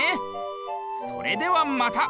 それではまた！